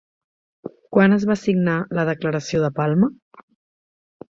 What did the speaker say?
Quan es va signar la Declaració de Palma?